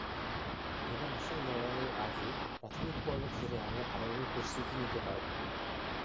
এবার আসল লড়াইয়ের আগে প্রাথমিক পর্ব খেলে আমরা ভালোভাবে প্রস্তুতি নিতে পারব।